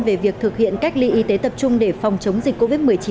về việc thực hiện cách ly y tế tập trung để phòng chống dịch covid một mươi chín